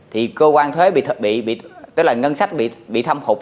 thì cơ quan thuế bị thâm hụt